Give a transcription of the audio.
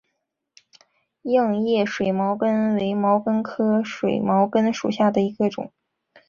硬叶水毛茛为毛茛科水毛茛属下的一个种。